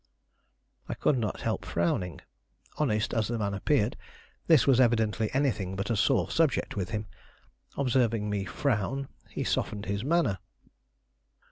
I could not help frowning. Honest as the man appeared, this was evidently anything but a sore subject with him. Observing me frown, he softened his manner.